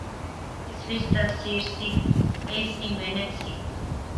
اس وچ تاثیر سی، ایہہ اس نی محنت سی